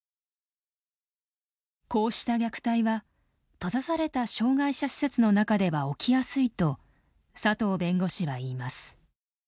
こうした虐待は閉ざされた障害者施設の中では起きやすいと佐藤弁護士はいいます。